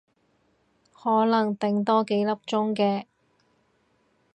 可能頂多幾粒鐘嘅